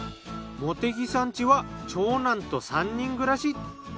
茂木さん家は長男と３人暮らし。